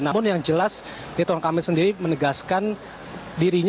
namun yang jelas ridwan kamil sendiri menegaskan dirinya